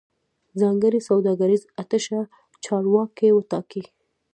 ځانګړی سوداګریز اتشه چارواکي وټاکي